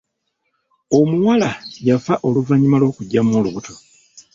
Omuwala yafa oluvannyuma lw’okuggyamu olubuto.